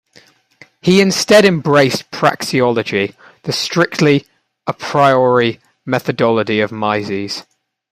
He instead embraced praxeology, the strictly "a priori" methodology of Mises.